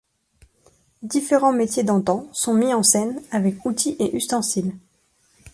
Différents métiers d'antan sont mis en scène, avec outils et ustensiles.